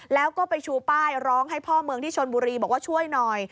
แล้วก็ไปชูป้ายร้องให้พ่อเมืองที่ชนบุรีบอกว่าช่วยหน่อย